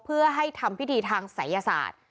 เพื่อให้ทำพิธีทางศัยศาสตร์